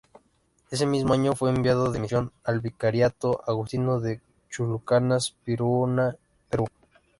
Ese mismo año fue enviado de misión al Vicariato agustino de Chulucanas, Piura, Perú.